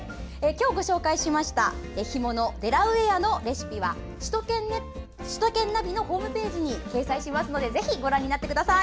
今日ご紹介しました干物デラウエアのレシピは首都圏ナビのホームページに掲載していますのでぜひ参考になさってください。